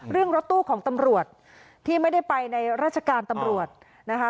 รถตู้ของตำรวจที่ไม่ได้ไปในราชการตำรวจนะคะ